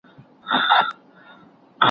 آیا افراط په هر عمل کي بد پایله لري؟